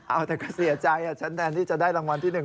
เอาแต่ก็เสียใจฉันแทนที่จะได้รางวัลที่๑